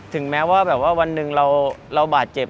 ถึงแม้ว่าแบบว่าวันหนึ่งเราบาดเจ็บ